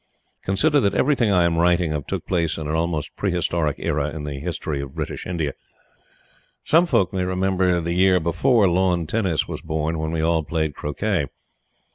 Consider that everything I am writing of took place in an almost pre historic era in the history of British India. Some folk may remember the years before lawn tennis was born when we all played croquet.